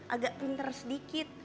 agak pinter sedikit